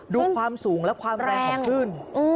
ดูความสูงและความแรงของคลื่น